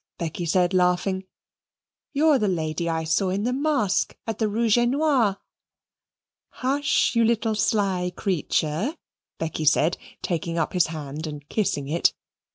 Becky said, laughing. "You're the lady I saw in the mask at the Rouge et Noir." "Hush! you little sly creature," Becky said, taking up his hand and kissing it.